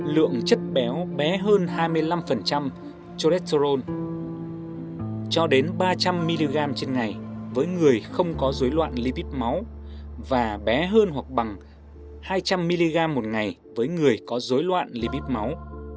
lượng chất béo bé hơn hai mươi năm cholesterol cho đến ba trăm linh mg trên ngày với người không có dối loạn lipid máu và bé hơn hoặc bằng hai trăm linh mg một ngày với người có dối loạn libit máu